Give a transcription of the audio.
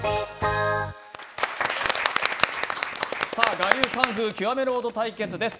「我流功夫極めロード」対決です。